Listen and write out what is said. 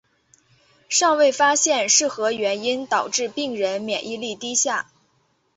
尚未发现是何原因导致病人免疫力低下。